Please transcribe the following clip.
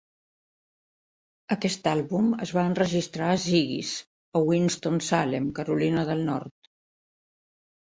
Aquest àlbum es va enregistrar a Ziggy's a Winston-Salem, Carolina del Nord.